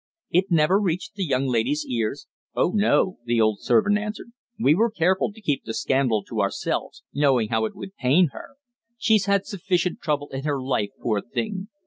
"It never reached the young lady's ears?" "Oh, no," the old servant answered. "We were careful to keep the scandal to ourselves, knowing how it would pain her. She's had sufficient trouble in her life, poor thing."